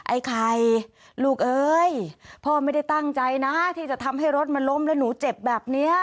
ไอ้ไข่ลูกเอ้ยพ่อไม่ได้ตั้งใจนะที่จะทำให้รถมันล้มแล้วหนูเจ็บแบบนี้